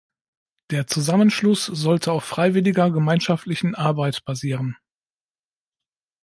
Der Zusammenschluss sollte auf freiwilliger gemeinschaftlichen Arbeit basieren.